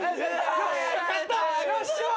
よっしゃ！